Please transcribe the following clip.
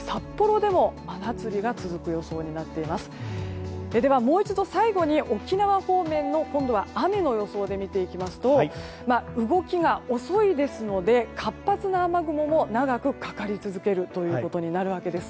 では、もう１度最後に沖縄方面の雨の予想で見ていきますと動きが遅いですので活発な雨雲も長くかかり続けるということになるわけです。